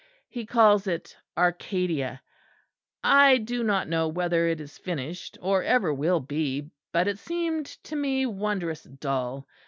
He calls it 'Arcadia'; I do not know whether it is finished or ever will be. But it seemed to me wondrous dull.